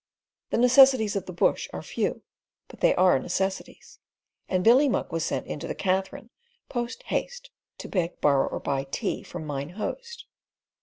The necessities of the bush are few; but they are necessities; and Billy Muck was sent in to the Katherine post haste, to beg, borrow, or buy tea from Mine Host.